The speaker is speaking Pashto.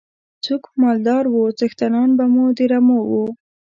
څوک مالدار وو څښتنان به د رمو وو.